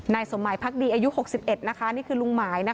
นายสมมัยพรรคดีอายุหกสิบเอ็ดนะคะนี่คือลุงหมายนะคะ